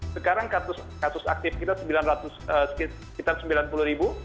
sekarang kasus aktif kita sekitar sembilan puluh ribu